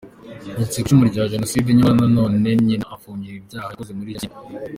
Yacitse ku icumu rya Jenoside nyamara nanone nyina afungiwe ibyaha yakoze muri Jenoside.